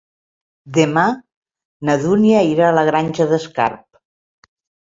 Demà na Dúnia irà a la Granja d'Escarp.